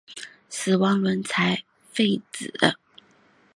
死亡轮才废止。